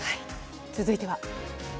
続いては。